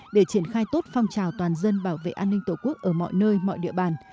để triển khai tốt phong trào toàn dân bảo vệ an ninh tổ quốc ở mọi nơi mọi địa bàn